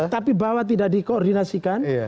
tapi bahwa tidak dikoordinasikan